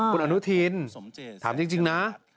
คุณอนุทินถามจริงนะ